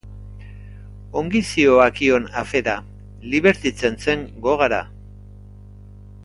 Ongi zihoakion afera, libertitzen zen gogara.